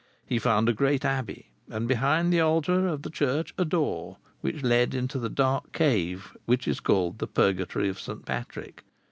He found a great abbey, and behind the altar of the church a door, which led into the dark cave which is called the Purgatory of St. Patrick.